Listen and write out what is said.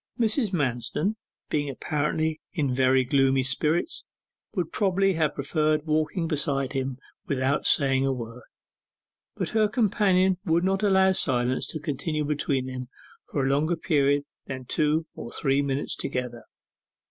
Mrs. Manston, being apparently in very gloomy spirits, would probably have preferred walking beside him without saying a word: but her companion would not allow silence to continue between them for a longer period than two or three minutes together.